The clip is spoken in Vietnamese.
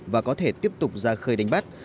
và có thể tiếp tục ra khơi đánh bắt